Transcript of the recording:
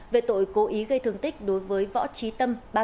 về tội cố ý gây thương tích đối với võ trí tâm